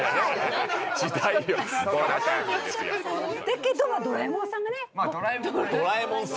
だけどドラえもんさんがね。